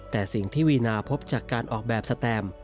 แต่สิ่งที่วีนาพบจากการออกแบบสแตม